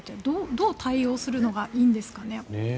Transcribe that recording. どう対応するのがいいんですか。